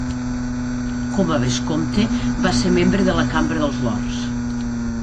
Com a vescomte, va ser membre de la Cambra dels Lords.